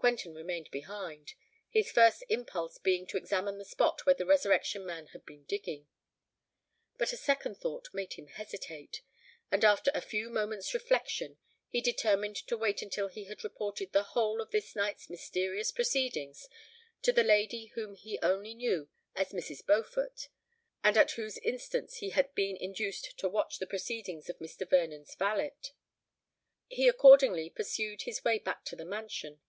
Quentin remained behind—his first impulse being to examine the spot where the Resurrection Man had been digging. But a second thought made him hesitate; and, after a few moments' reflection, he determined to wait until he had reported the whole of this night's mysterious proceedings to the lady whom he only knew as Mrs. Beaufort, and at whose instance he had been induced to watch the proceedings of Mr. Vernon's valet. He accordingly pursued his way back to the mansion.